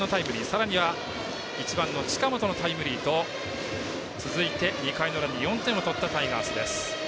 さらには１番の近本のタイムリーと続いて２回の裏に４点を取ったタイガースです。